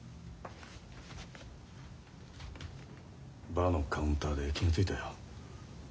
・バーのカウンターで気が付いたよ。